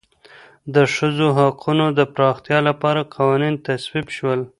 د ښځو حقوقو د پراختیا لپاره قوانین تصویب شول.